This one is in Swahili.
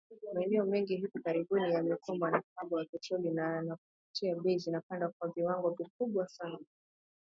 Maeneo mengi hivi karibuni yamekumbwa na uhaba wa petroli na yanapopatikana, bei zimepanda kwa viwango vikubwa sana